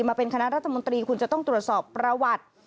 มาเป็นคณะรัฐมนตรีคุณจะต้องตรวจสอบประวัติ